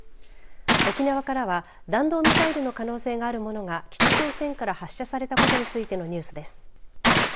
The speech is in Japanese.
沖縄からは弾道ミサイルの可能性があるものが北朝鮮から発射されたことについてのニュースです。